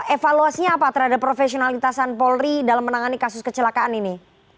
evaluasinya apa terhadap profesionalitasan polri dalam menangani kasus kecelakaan ini